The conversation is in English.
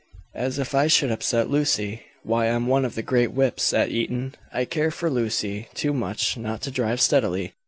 "As if I should upset Lucy! Why, I'm one of the great whips at Eton. I care for Lucy too much not to drive steadily.